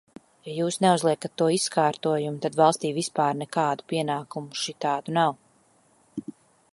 Ja jūs neuzliekat to izkārtojumu, tad valstī vispār nekādu pienākumu šitādu nav.